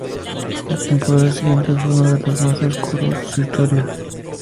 La temporada siguiente fue uno de los más oscuros de su historia.